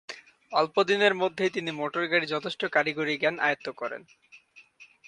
অল্প দিনের মধ্যেই তিনি মোটর-গাড়ীর যথেষ্ট কারিগরি জ্ঞান আয়ত্ত করেন।